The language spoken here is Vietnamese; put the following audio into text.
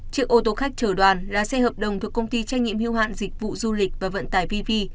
chiếc ô tô khách trở đoàn là xe hợp đồng thuộc công ty trách nhiệm hiệu hạn dịch vụ du lịch và vận tải pv